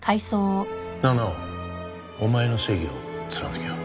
なあ直央お前の正義を貫けよ。